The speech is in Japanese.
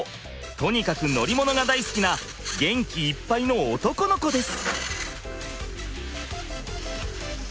とにかく乗り物が大好きな元気いっぱいの男の子です。